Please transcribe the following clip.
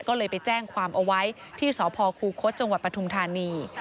ก็เลยไปแจ้งความเอาไว้ที่สพคูคศจังหวัดปทุมธานี